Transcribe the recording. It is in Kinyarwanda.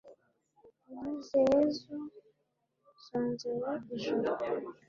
unkizeyezu nsonzeye ijuru